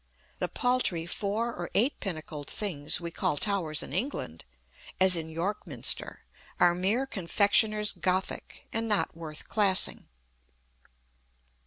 The paltry four or eight pinnacled things we call towers in England (as in York Minster), are mere confectioner's Gothic, and not worth classing.